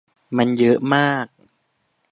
มันเยอะมาก